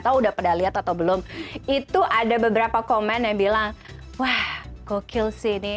tahu udah pada lihat atau belum itu ada beberapa komen yang bilang wah gokil sih ini